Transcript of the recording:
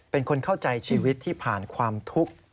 เป็นคนเข้าใจชีวิตที่ผ่านความทุกข์